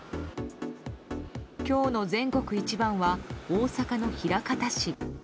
今日の全国一番は大阪の枚方市。